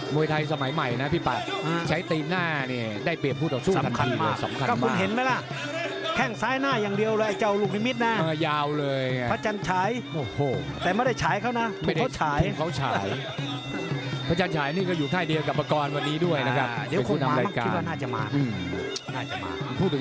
มวยไทยสมัยใหม่นะพี่ปรัชน์ใช้ตีนหน้านี่ได้เปรียบผู้บ